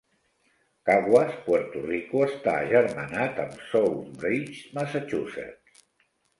Caguas, Puerto Rico, està agermanat amb Southbridge, Massachusetts.